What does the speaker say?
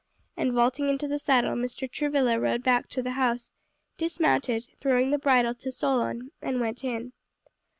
And vaulting into the saddle Mr. Travilla rode back to the house, dismounted, throwing the bridle to Solon, and went in.